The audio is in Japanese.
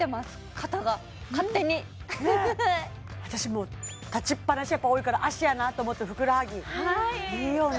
肩が勝手に私もう立ちっぱなし多いから脚やなと思ってふくらはぎいいよね